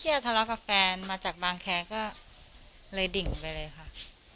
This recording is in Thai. นี้แค่ทะเลาะกับแฟนมาจากบางแคล่ะก็เลยดิ่งไปเลยค่ะอ่า